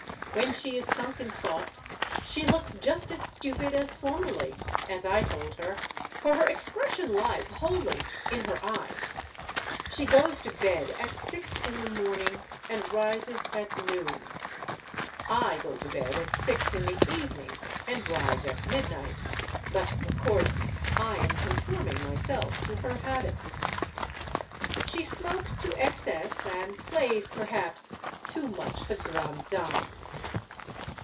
When she is sunk in thought, she looks just as stupid as formerly as I told her for her expression lies wholly in her eyes. She goes to bed at six in the morning and rises at noon. (I go to bed at six in the evening and rise at midnight; but, of course, I am conforming myself to her habits.) She smokes to excess and plays, perhaps, too much the grande dame.